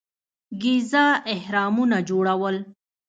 ګیزا اهرامونه جوړول.